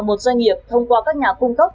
một doanh nghiệp thông qua các nhà cung cấp